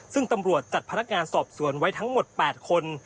ซึ่งตำรวจจัดพนักงานสอบสวนไว้ทั้งหมด๘คน